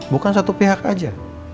bukan satu pihak aja